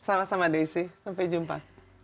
sama sama desi sampai jumpa